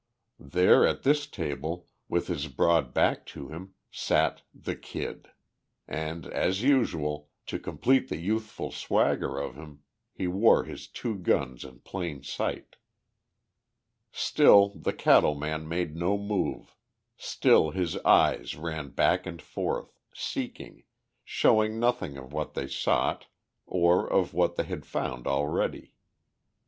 There, at this table, with his broad back to him, sat the Kid. And as usual, to complete the youthful swagger of him, he wore his two guns in plain sight. Still the cattle man made no move, still his eyes ran back and forth, seeking, showing nothing of what they sought or of what they had found already.